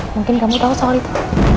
mungkin kamu tahu soal itu